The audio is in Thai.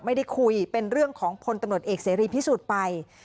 ไม่ได้คุยเป็นเรื่องของพลตำรวจเอกเสรีพิสุทธิ์ไป